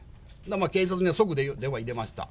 警察には即電話入れました。